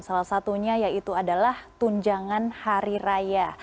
salah satunya yaitu adalah tunjangan hari raya